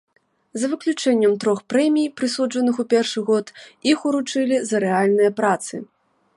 За выключэннем трох прэмій, прысуджаных у першы год, іх уручылі за рэальныя працы.